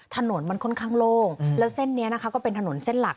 ถนนมันค่อนข้างโล่งแล้วเส้นนี้นะคะก็เป็นถนนเส้นหลัก